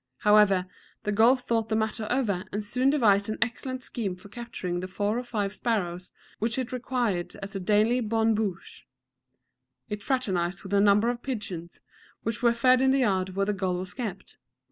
However, the gull thought the matter over, and soon devised an excellent scheme for capturing the four or five sparrows which it required as a daily bonne bouche. It fraternized with a number of pigeons which were fed in the yard where the gull was kept.